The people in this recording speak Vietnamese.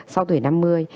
sau tuổi năm mươi